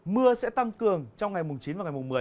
mưa sẽ tăng cường trong ngày chín và ngày mùng một mươi